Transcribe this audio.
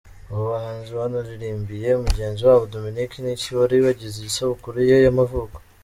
Abo bahanzi banaririmbiye mugenzi wabo Dominiki Niki wari wagize isabukuru ye y’amavuko.